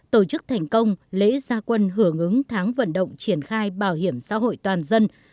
tổ chức thành công lễ gia quân hưởng ứng tháng vận động triển khai bảo hiểm xã hội toàn dân